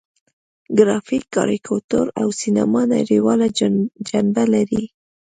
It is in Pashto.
ګرافیک، کاریکاتور او سینما نړیواله جنبه لري.